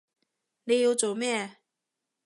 你要做咩？